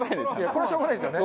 これはしょうがないですよね。